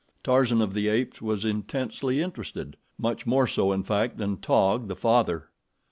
Tarzan of the Apes was intensely interested, much more so, in fact, than Taug, the father.